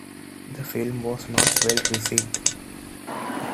The film was not well received.